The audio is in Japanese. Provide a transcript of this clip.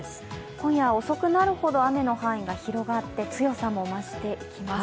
今夜遅くなるほど雨の範囲が広がって強さも増していきます。